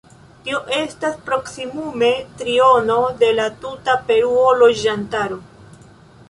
Tio estas proksimume triono de la tuta Peruo loĝantaro.